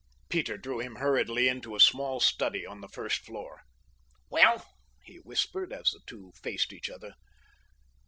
Peter drew him hurriedly into a small study on the first floor. "Well?" he whispered, as the two faced each other.